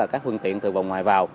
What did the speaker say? các phương tiện từ vòng ngoài vào